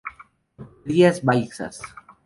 Rías Baixas.